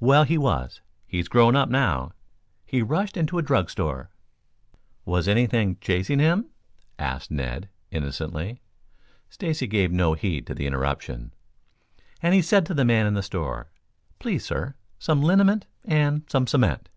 "Well, he was he's grown up now. He rushed into a drug store " "Was anything chasing him?" asked Ned innocently. Stacy gave no heed to the interruption. "And he said to the man in the store, 'Please, sir, some liniment and some cement?'"